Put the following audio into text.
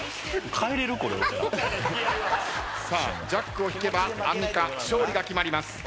さあジャックを引けばアンミカ勝利が決まります。